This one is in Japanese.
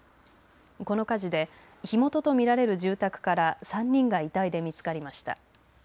この火事で火元と見られる住宅から３人が遺体で見つかりました。